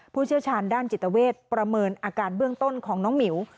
ผู้เชี่ยวชาญด้านจิตเวทประเมินอาการเบื้องต้นของน้องหมิว